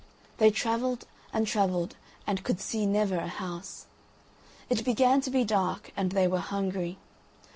They travelled and travelled and could see never a house. It began to be dark, and they were hungry.